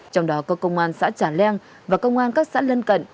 trong đó có công an xã trà leng và công an các xã lân cận